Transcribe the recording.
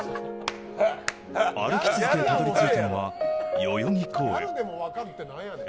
歩き続け、たどりついたのは、代々木公園。